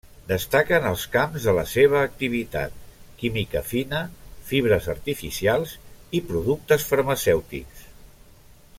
Destaquen els camps de la seva activitat; química fina, fibres artificials i productes farmacèutics.